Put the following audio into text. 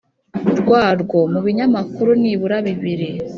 rwarwo, mu binyamakuru nibura bibiri